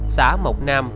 xã mộc nam